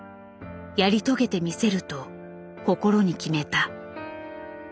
やり遂げてみせると心に決めた。